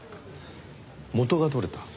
元が取れた？